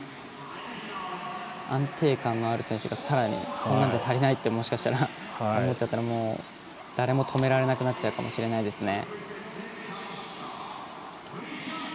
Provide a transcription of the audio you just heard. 安定感のある選手がさらにこんなんじゃ足りないともしかしたら、思っちゃったら誰も止められなくなっちゃうかも知れないですね。